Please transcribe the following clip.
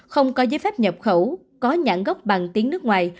không có giấy phép nhập khẩu có nhãn gốc bằng tiếng nước ngoài